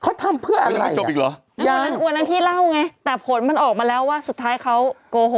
เขาทำเพื่ออะไรอ่ะอย่างนั้นพี่เล่าไงแต่ผลมันออกมาแล้วว่าสุดท้ายเขาโกหก